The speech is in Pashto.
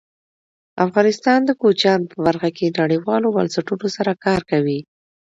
افغانستان د کوچیان په برخه کې نړیوالو بنسټونو سره کار کوي.